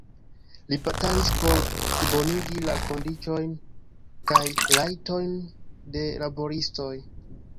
Li batalis por plibonigi la kondiĉojn kaj rajtojn de laboristoj.